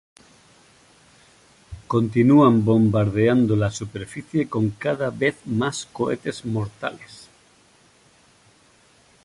Continúan bombardeando la superficie con cada vez más cohetes mortales.